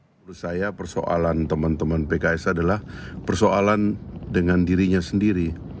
menurut saya persoalan teman teman pks adalah persoalan dengan dirinya sendiri